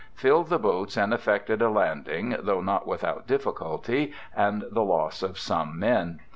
Filled the boats and effected a landing, though not without difficulty and the loss of some men.